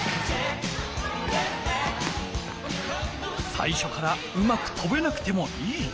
さいしょからうまくとべなくてもいい。